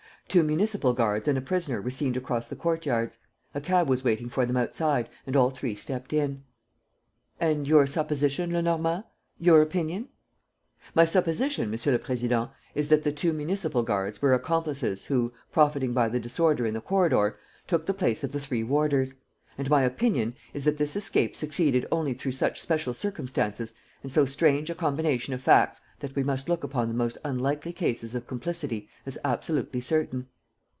Two municipal guards and a prisoner were seen to cross the courtyards. A cab was waiting for them outside and all three stepped in. "And your supposition, Lenormand, your opinion. ..." "My supposition, Monsieur le Président, is that the two municipal guards were accomplices who, profiting by the disorder in the corridor, took the place of the three warders. And my opinion is that this escape succeeded only through such special circumstances and so strange a combination of facts that we must look upon the most unlikely cases of complicity as absolutely certain.